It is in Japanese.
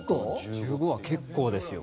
１５は結構ですよ。